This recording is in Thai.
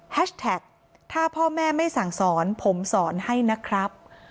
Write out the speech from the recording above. แท็กถ้าพ่อแม่ไม่สั่งสอนผมสอนให้นะครับ